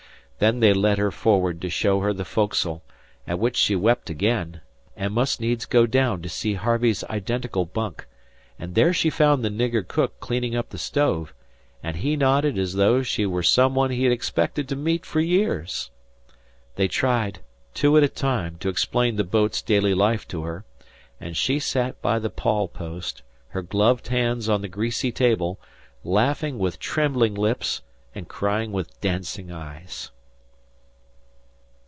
Then they led her forward to show her the foc'sle, at which she wept again, and must needs go down to see Harvey's identical bunk, and there she found the nigger cook cleaning up the stove, and he nodded as though she were some one he had expected to meet for years. They tried, two at a time, to explain the boat's daily life to her, and she sat by the pawl post, her gloved hands on the greasy table, laughing with trembling lips and crying with dancing eyes.